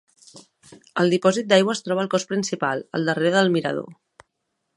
El dipòsit d'aigua es troba al cos principal, al darrera del mirador.